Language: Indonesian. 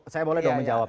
saya boleh dong menjawab